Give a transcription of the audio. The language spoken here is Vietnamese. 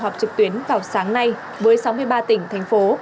họp trực tuyến vào sáng nay với sáu mươi ba tỉnh thành phố